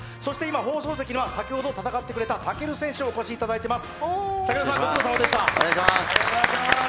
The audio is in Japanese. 放送席には先ほど戦ってくれた武尊選手にお越しいただいています。